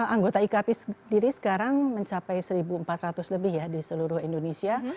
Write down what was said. anggota ikp sendiri sekarang mencapai satu empat ratus lebih ya di seluruh indonesia